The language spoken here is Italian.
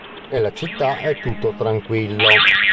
Nella città è tutto tranquillo.